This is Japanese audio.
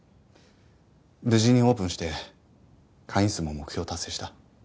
無事にオープンして会員数も目標を達成した。